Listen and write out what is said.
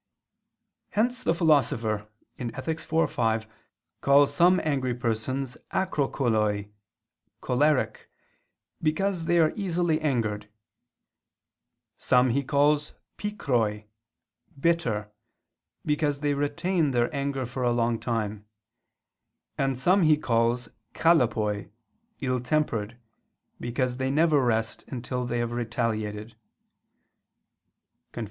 "]. Hence the Philosopher (Ethic. iv, 5) calls some angry persons akrocholoi (choleric), because they are easily angered; some he calls pikroi (bitter), because they retain their anger for a long time; and some he calls chalepoi (ill tempered), because they never rest until they have retaliated [*Cf.